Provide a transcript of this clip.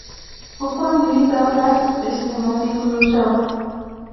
پخوا ملي دولت استعماري پروژه وه.